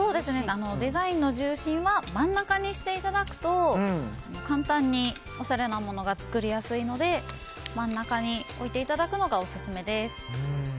デザインの重心は真ん中にしていただくと簡単におしゃれなものが作りやすいので真ん中においていただくのがオススメです。